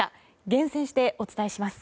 厳選してお伝えします。